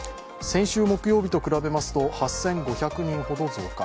先週木曜日と比べますと８５００人ほど増加。